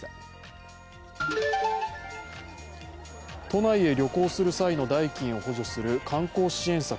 都内へ旅行する際の代金を補助する観光支援策・